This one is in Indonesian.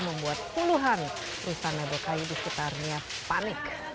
membuat puluhan perusahaan mebel kayu di sekitarnya panik